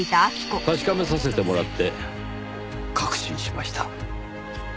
確かめさせてもらって確信しました。